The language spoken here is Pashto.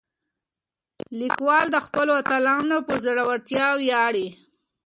لیکوال د خپلو اتلانو په زړورتیا ویاړي.